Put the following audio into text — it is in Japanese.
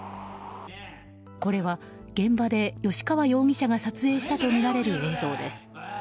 これは、現場で吉川容疑者が撮影したとみられる映像です。